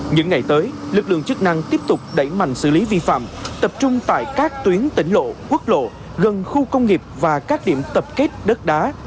những ngày tới lực lượng chức năng tiếp tục đẩy mạnh xử lý vi phạm tập trung tại các tuyến tỉnh lộ quốc lộ gần khu công nghiệp và các điểm tập kết đất đá